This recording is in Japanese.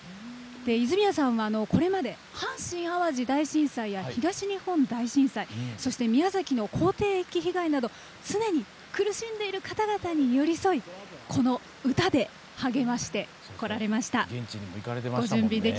泉谷さんは、これまで阪神・淡路大震災や東日本大震災そして、宮崎の口蹄疫被害など常に苦しんでいる方々に寄り添い、この歌で励ましてこられました。